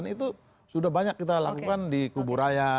itu sudah banyak kita lakukan di kubur raya